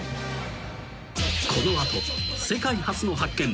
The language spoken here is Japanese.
［この後世界初の発見］